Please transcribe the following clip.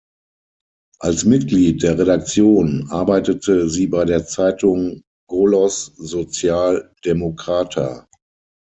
Als Mitglied der Redaktion arbeitete sie bei der Zeitung "Golos Sozial-Demokrata.